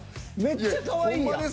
めっちゃかわいいやん。